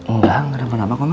enggak gak ada kenapa koma